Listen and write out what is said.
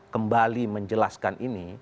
kembali menjelaskan ini